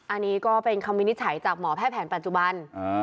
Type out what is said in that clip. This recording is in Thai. อันนี้ก็เป็นคำวินิจฉัยจากหมอแพทย์แผนปัจจุบัน